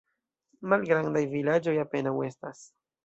Malgrandaj vilaĝoj apenaŭ estas.